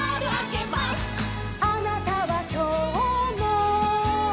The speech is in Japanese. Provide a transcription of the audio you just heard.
「あなたはきょうも」